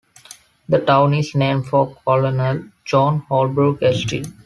The town is named for Colonel John Holbrook Estill.